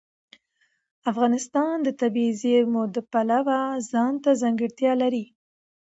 افغانستان د طبیعي زیرمې د پلوه ځانته ځانګړتیا لري.